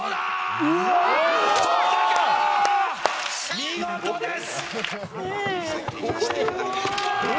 見事です！